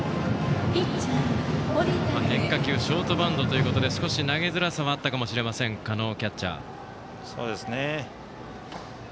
変化球ショートバウンドということで少し投げづらさはあったかもしれませんキャッチャーの加納。